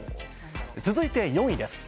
続いて４位です。